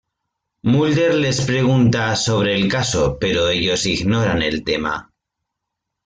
Mulder les pregunta sobre el caso pero ellos ignoran el tema.